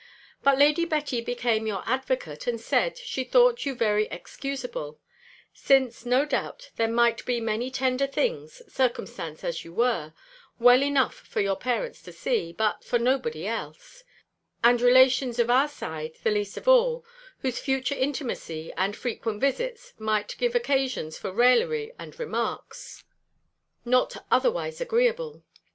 But Lady Betty became your advocate, and said, she thought you very excusable: since, no doubt, there might be many tender things, circumstanced as you were, well enough for your parents to see, but for nobody else; and relations of our side, the least of all, whose future intimacy, and frequent visits, might give occasions for raillery and remarks, not otherwise agreeable.